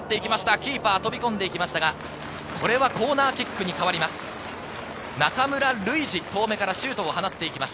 キーパー、飛び込んでいきましたが、コーナーキックに変わります。